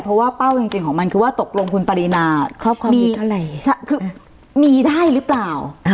เพราะว่าเป้าจริงจริงของมันคือว่าตกลงคุณปรินาครอบครองดินเท่าไรใช่คือมีได้หรือเปล่าอ๋อ